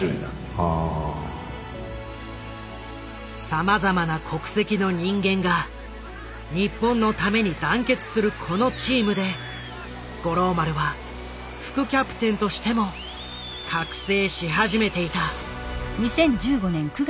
さまざまな国籍の人間が日本のために団結するこのチームで五郎丸は副キャプテンとしても覚醒し始めていた。